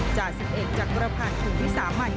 จาก๑๑จักรพรรคถึงวิสามัน